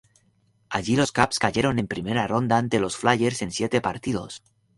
Allí los Caps cayeron en primera ronda ante los Flyers en siete partidos.